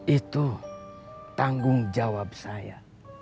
itu tanggung jawab saya